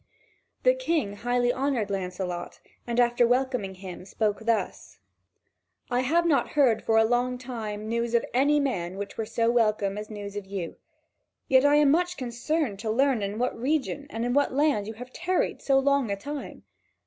The King highly honoured Lancelot, and after welcoming him, thus spoke: "I have not heard for a long time news of any man which were so welcome as news of you; yet I am much concerned to learn in what region and in what land you have tarried so long a time.